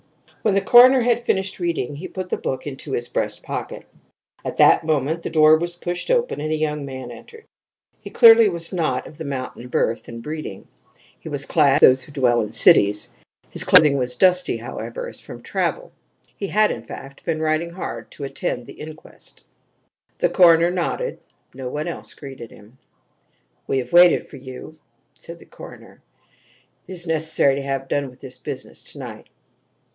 When the coroner had finished reading he put the book into his breast pocket. At that moment the door was pushed open and a young man entered. He, clearly, was not of mountain birth and breeding: he was clad as those who dwell in cities. His clothing was dusty, however, as from travel. He had, in fact, been riding hard to attend the inquest. The coroner nodded; no one else greeted him. "We have waited for you," said the coroner. "It is necessary to have done with this business to night."